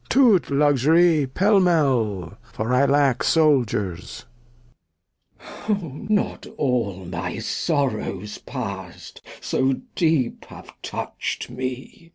To't Luxury, pell mell, for I lack Souldiers. Glost. Not all my Sorrows past so deep have toucht me.